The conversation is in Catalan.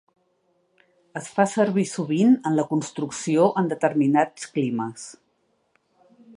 Es fa servir sovint en la construcció en determinats climes.